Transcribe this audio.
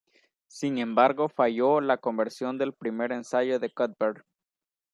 Sin embargo falló la conversión del primer ensayo de Cuthbert.